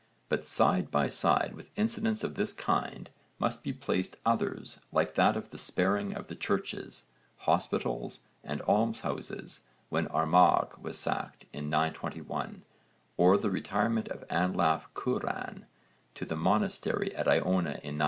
But side by side with incidents of this kind must be placed others like that of the sparing of the churches, hospitals and almshouses when Armagh was sacked in 921, or the retirement of Anlaf Cuaran to the monastery at Iona in 981.